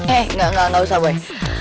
eh gak usah boy